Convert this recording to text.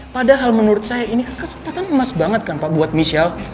padahal menurut saya ini kan kesempatan emas banget kan pak buat michelle